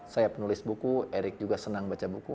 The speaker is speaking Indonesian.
saya penulis buku eric juga senang baca buku